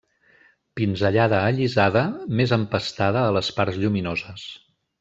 Pinzellada allisada, més empastada a les parts lluminoses.